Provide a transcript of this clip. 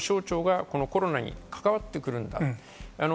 全ての省庁がコロナに関わってくるんだ。